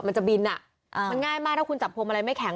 มันจะบินอ่ะมันง่ายมากถ้าคุณจับพวงมาลัยไม่แข็ง